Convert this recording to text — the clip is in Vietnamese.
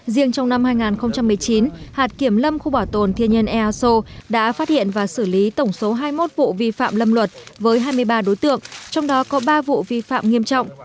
riêng trong năm hai nghìn một mươi chín hạt kiểm lâm khu bảo tồn thiên nhiên easo đã phát hiện và xử lý tổng số hai mươi một vụ vi phạm lâm luật với hai mươi ba đối tượng trong đó có ba vụ vi phạm nghiêm trọng